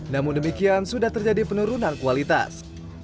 namun demikian sudah terjadi penurunan kualitas